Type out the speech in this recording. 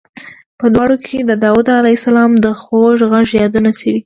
په دواړو کې د داود علیه السلام د خوږ غږ یادونه شوې.